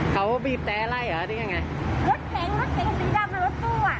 เขาบีบแปรไล่เหรอนี่ยังไงรถแข็งรถแข็งสีดำรถตู้อ่ะ